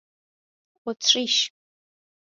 اتریش